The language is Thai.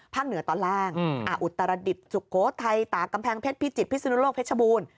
เหนือตอนล่างอุตรดิษฐ์สุโขทัยตากกำแพงเพชรพิจิตพิศนุโลกเพชรบูรณ์